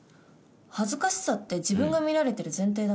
恥ずかしさって自分が見られてる前提だもんね。